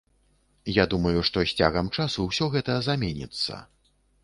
Я думаю, што з цягам часу ўсё гэта заменіцца.